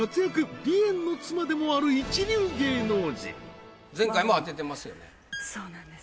梨園の妻でもある一流芸能人そうなんです